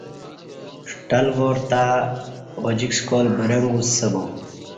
شٹل وارتہ ا جیک سکال برنگ گوسہ با